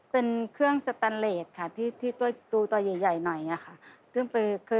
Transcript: เป็นเครื่องสตันเลสค่ะที่ดูต่อใหญ่หน่อยนี่ค่ะ